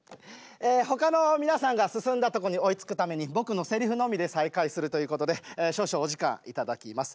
ほかの皆さんが進んだとこに追いつくために僕のせりふのみで再開するということで少々お時間頂きます。